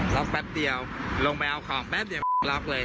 แป๊บเดียวลงไปเอาของแป๊บเดียวล็อกเลย